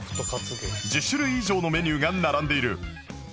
１０種類以上のメニューが並んでいる